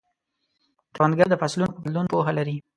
کروندګر د فصلونو په بدلون پوهه لري